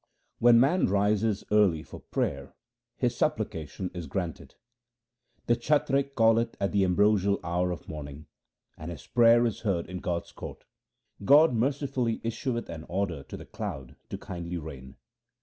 When man rises early for prayer his supplication is granted :— The chatrik calleth at the ambrosial hour of morning, 1 and his prayer is heard in God's court. God mercifully issueth an order to the cloud to kindly rain.